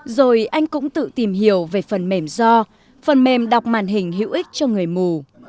rồi anh cũng tự tìm hiểu về phần mềm do phần mềm đọc màn hình hữu ích cho người mù